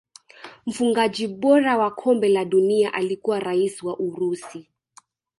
mfungaji bora wa kombe la dunia alikuwa raia wa urusi